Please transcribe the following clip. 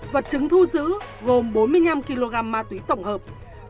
vật chứng thu giữ gồm bốn mươi năm kg ma túy tổng hợp